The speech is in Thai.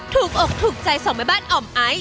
ถูกอกถูกใจสองใบบ้านอ่อมไอ